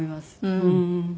うん。